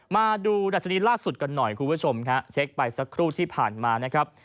มาดูดัชนีล่าสุดกันหน่อยคุณผู้ชมฮะเช็คไปสักครู่ที่ผ่านมานะครับ